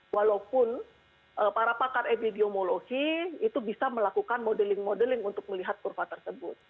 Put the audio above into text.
walaupun para pakar epidemiologi itu bisa melakukan modeling modeling untuk melihat kurva tersebut